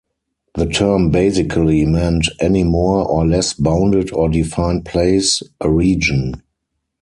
The term basically meant "any more or less bounded or defined place, a region".